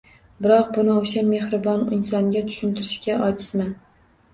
Biroq, buni o`sha mehribon insonga tushuntirishga ojizman